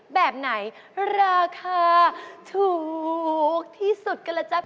แบบไหนราคาถูกที่สุดกันล่ะจ๊ะ